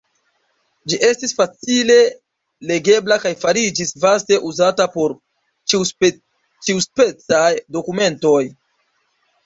Ĝi estis facile legebla kaj fariĝis vaste uzata por ĉiuspecaj dokumentoj.